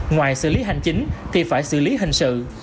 ngoài xử lý hành chính thì phải xử lý hình sự